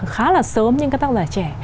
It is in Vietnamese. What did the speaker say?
khá là sớm những cái tác giả trẻ